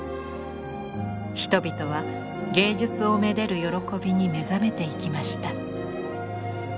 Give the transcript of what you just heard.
人々は芸術をめでる喜びに目覚めていきました。